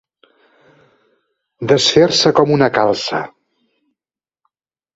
Desfer-se com una calça.